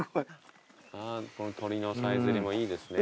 この鳥のさえずりもいいですね。